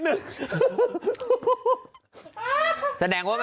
เช็ดแรงไปนี่